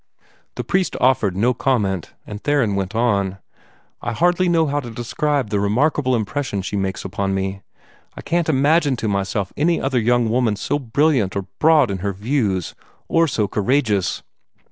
The priest offered no comment, and Theron went on: "I hardly know how to describe the remarkable impression she makes upon me. I can't imagine to myself any other young woman so brilliant or broad in her views, or so courageous.